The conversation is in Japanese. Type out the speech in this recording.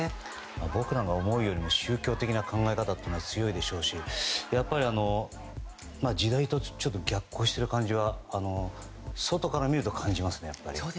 僕らが思うよりも宗教的な考え方は強いでしょうしやっぱり、時代とちょっと逆行している感じは外から見ると感じますね。